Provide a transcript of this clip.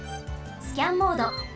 スキャンモード。